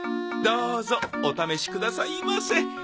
どうぞお試しくださいませ。